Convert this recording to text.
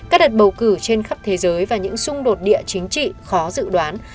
các đợt bầu cử trên khắp thế giới và những xung đột địa chính trị khó dự đoán